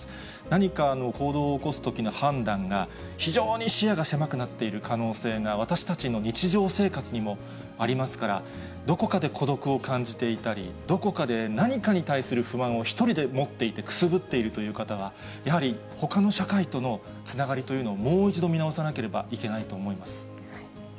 何かの行動を起こすときの判断が、非常に視野が狭くなっている可能性が、私たちの日常生活にもありますから、どこかで孤独を感じていたり、どこかで何かに対する不安を１人で持っていて、くすぶっているという方は、やはりほかの社会とのつながりというのをもう一度、見直さなければいけないと思います。